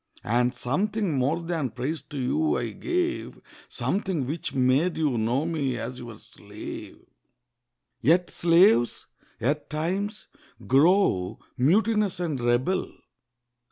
And something more than praise to you I gave— Something which made you know me as your slave. Yet slaves, at times, grow mutinous and rebel.